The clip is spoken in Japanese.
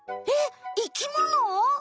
えっ生きもの？